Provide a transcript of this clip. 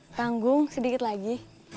panggung sedikit lagi